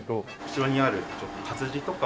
後ろにある活字とかを。